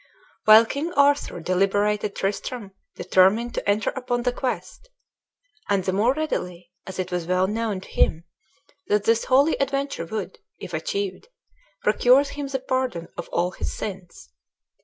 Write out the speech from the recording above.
While King Arthur deliberated Tristram determined to enter upon the quest, and the more readily, as it was well known to him that this holy adventure would, if achieved, procure him the pardon of all his sins.